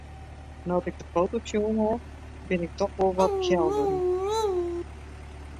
No't ik de foto's sjoen ha, bin ik dochs wol wat kjel wurden.